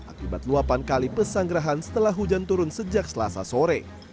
akibat luapan kali pesanggerahan setelah hujan turun sejak selasa sore